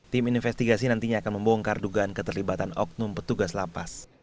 tim investigasi nantinya akan membongkar dugaan keterlibatan oknum petugas lapas